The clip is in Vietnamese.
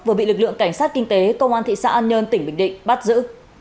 vừa bị lực lượng cảnh sát kinh tế công an thị xã an nhơn tỉnh bình định bắt giữ